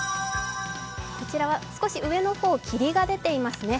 こちらは少し上の方霧が出ていますね。